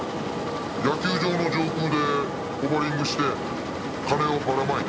「野球場の上空でホバリングして金をバラ撒いて」ハア！？